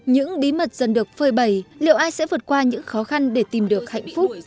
những bí mật dần được phơi bầy liệu ai sẽ vượt qua những khó khăn để tìm được hạnh phúc